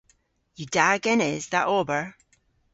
Yw da genes dha ober?